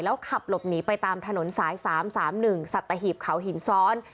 ขับหลบหนีไปตามถนนสาย๓๓๑สัตหีบเขาหินซ้อน